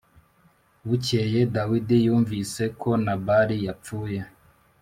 Bukeye Dawidi yumvise ko Nabali yapfuye